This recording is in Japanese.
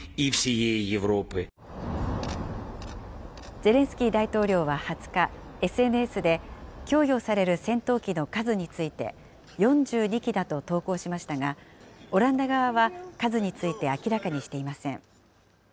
ゼレンスキー大統領は２０日、ＳＮＳで、供与される戦闘機の数について、４２機だと投稿しましたが、オランダ側は数について明らかにしていません。